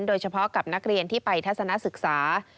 โดยเฉพาะกับนักเรียนที่ไปทัศนศึกษา